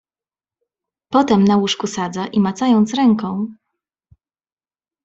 Potem na łóżku sadza i macając ręką